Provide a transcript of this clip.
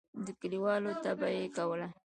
د کلیوالو طبعه یې کوله.